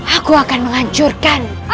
aku akan menghancurkanmu